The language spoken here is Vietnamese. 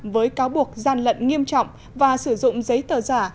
với cáo buộc gian lận nghiêm trọng và sử dụng giấy tờ giả